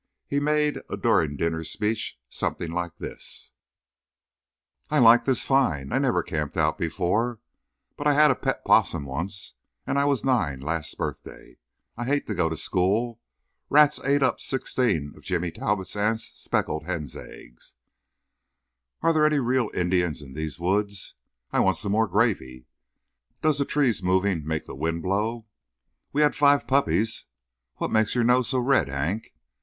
He made a during dinner speech something like this: "I like this fine. I never camped out before; but I had a pet 'possum once, and I was nine last birthday. I hate to go to school. Rats ate up sixteen of Jimmy Talbot's aunt's speckled hen's eggs. Are there any real Indians in these woods? I want some more gravy. Does the trees moving make the wind blow? We had five puppies. What makes your nose so red, Hank?